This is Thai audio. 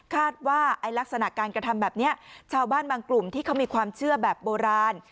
ว่าลักษณะการกระทำแบบนี้ชาวบ้านบางกลุ่มที่เขามีความเชื่อแบบโบราณ